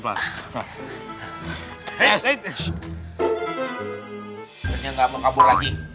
akhirnya nggak mau kabur lagi